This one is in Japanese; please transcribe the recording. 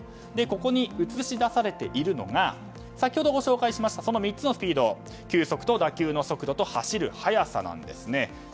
ここに映し出されているのが先ほどご紹介しました３つのスピード球速と打球の速度と走る速さです。